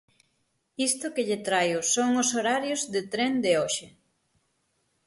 Isto que lle traio son os horarios de tren de hoxe.